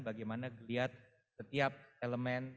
bagaimana melihat setiap elemen